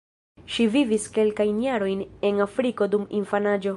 Ŝi vivis kelkajn jarojn en Afriko dum infanaĝo.